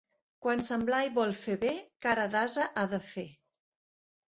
Quan Sant Blai vol fer bé cara d'ase ha de fer.